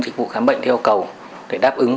dịch vụ khám bệnh theo cầu để đáp ứng